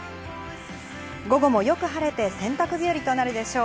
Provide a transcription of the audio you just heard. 午後もよく晴れて洗濯日和となるでしょう。